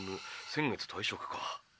先月退職か。